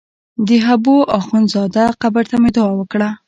د حبو اخند زاده قبر ته مې دعا وکړه.